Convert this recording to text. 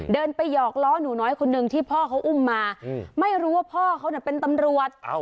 เดินไปหยอกล้อหนูน้อยคนนึงที่พ่อเขาอุ้มมาไม่รู้ว่าพ่อเขาเป็นตำรวจ